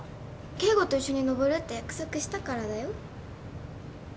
圭吾と一緒にのぼるって約束したからだよ。